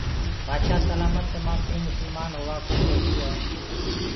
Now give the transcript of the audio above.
بآدشآه سلآمت تمآنٚڪو مُسلمآن هووآ ڪو ڪيسي اور